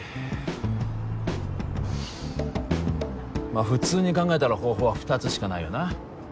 まあ普通に考えたら方法は２つしかないよな。